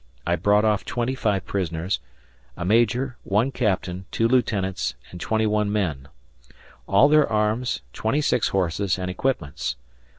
I brought off twenty five prisoners a major, one captain, two lieutenants, and twenty one men, all their arms, twenty six horses, and equipments.